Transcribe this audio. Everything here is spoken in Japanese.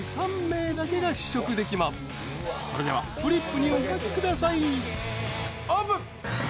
［それではフリップにお書きください］